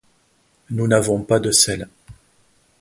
Nous n’avons pas de selle.